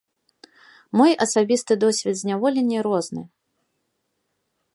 Мой асабісты досвед зняволення розны.